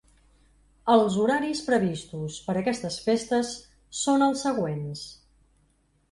Els horaris previstos per aquestes festes són els següents:.